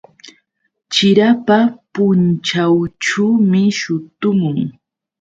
Chirapa punćhawćhuumi shutumun.